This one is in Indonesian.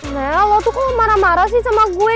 mel lo tuh kok marah marah sih sama gue